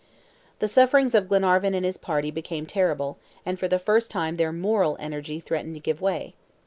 The sufferings of Glenarvan and his party became terrible, and for the first time their moral energy threatened to give way.